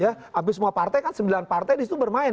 hampir semua partai kan sembilan partai di situ bermain